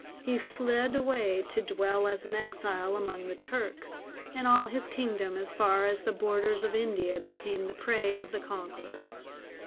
He fled away to dwell as an exile among the Turks, and all his kingdom as far as the borders of India became the prey of the conquerors.